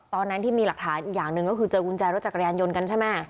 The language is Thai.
ตอนนั้นที่มีหลักฐานอีกอย่างหนึ่งก็คือเจอกุญแจรถจักรยานยนต์กันใช่ไหม